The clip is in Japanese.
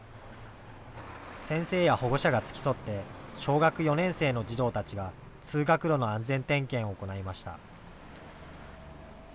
先生や保護者が付き添って小学４年生の児童たちが通学路の安全点検を行いました。